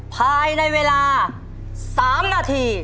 ภายในเวลา๓นาที